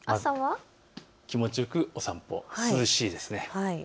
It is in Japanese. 気持ちよくお散歩、涼しいですね。